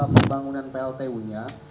pembangunan pltu nya